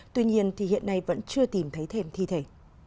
tuy nhiên hiện nay vẫn chưa tìm thấy thêm thi thể